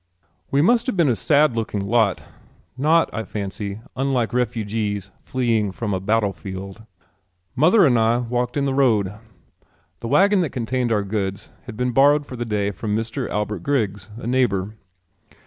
We must have been a sad looking lot, not, I fancy, unlike refugees fleeing from a battlefield. Mother and I walked in the road. The wagon that contained our goods had been borrowed for the day from Mr. Albert Griggs, a neighbor.